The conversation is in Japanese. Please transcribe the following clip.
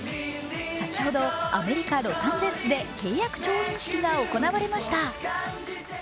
先ほど、アメリカ・ロサンゼルスで契約調印式が行われました。